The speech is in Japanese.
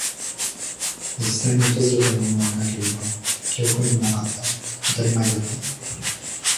実際に訪れたものはいなければ、記憶にもなかった。当たり前だった。